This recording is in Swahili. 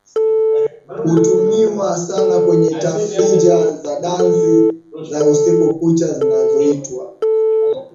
hutumiwa sana kwenye tafrija za dansi za usiku kucha zinazoitwa